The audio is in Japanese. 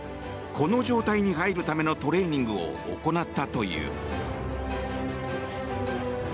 この状態に入るためのトレーニングを行ったという。